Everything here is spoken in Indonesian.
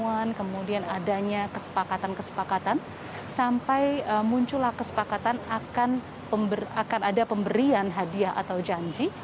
pertemuan kemudian adanya kesepakatan kesepakatan sampai muncullah kesepakatan akan ada pemberian hadiah atau janji